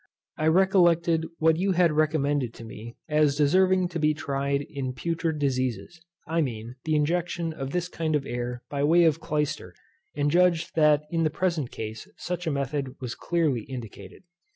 I recollected what you had recommended to me as deserving to be tried in putrid diseases, I mean, the injection of this kind of air by way of clyster, and judged that in the present case such a method was clearly indicated.